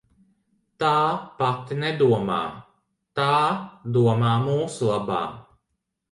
Tā pati nedomā, tā domā mūsu labā.